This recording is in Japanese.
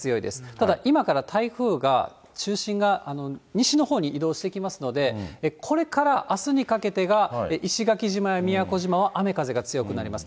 ただ、今から台風が、中心が西のほうに移動してきますので、これからあすにかけてが、石垣島や宮古島は雨風が強くなります。